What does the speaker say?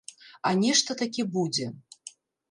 А нешта такі будзе!